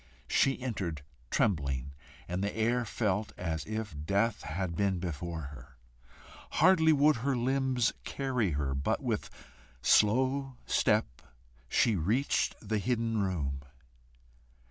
She entered trembling, and the air felt as if death had been before her. Hardly would her limbs carry her, but with slow step she reached the hidden room.